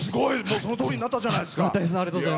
そのとおりになったじゃないですか。